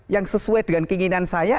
yang sesuai dengan keinginan saya